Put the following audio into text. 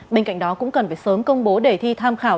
bên cạnh đó cũng cần phải sớm công bố đề thi tham khảo